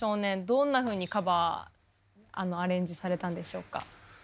どんなふうにカバーアレンジされたんでしょうか？